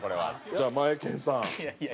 じゃあマエケンさん。